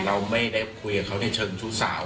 เราไม่ได้คุยกับเขาในเชิงชู้สาว